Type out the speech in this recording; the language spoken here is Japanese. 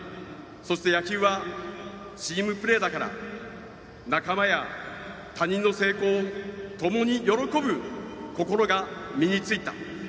そして野球はチームプレーだから仲間や他人の成功を共に喜ぶ心が身についた。